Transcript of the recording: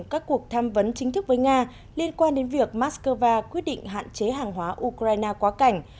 các cuộc tham vấn chính thức với nga liên quan đến việc moscow quyết định hạn chế hàng hóa ukraine quá cảnh